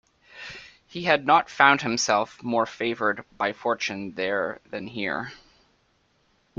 He had not found himself more favoured by fortune there than here.